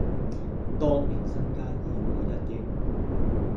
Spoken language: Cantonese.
當年身家已過一憶